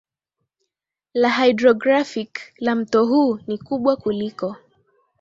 la hydrographic la mto huu ni kubwa kuliko